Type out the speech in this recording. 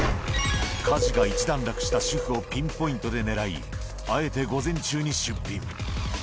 家事が一段落した主婦をピンポイントで狙い、あえて午前中に出品。